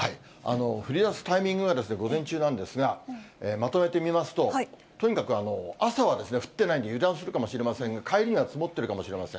降りだすタイミングが、午前中なんですが、まとめてみますと、とにかく朝は降ってないんで油断するかもしれませんが、帰りには積もってるかもしれません。